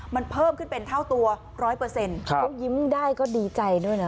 มันเพิ่มขึ้นเป็นเท่าตัวร้อยเปอร์เซ็นต์เขายิ้มได้ก็ดีใจด้วยนะ